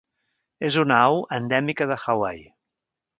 És una au endèmica de Hawaii.